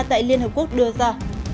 tại liên hợp quốc đưa ra